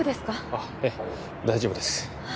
あっええ大丈夫ですあ